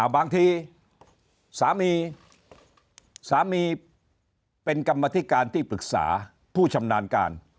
บางทีสามีสามีเป็นกรรมธิการที่ปรึกษาผู้ชำนาญการ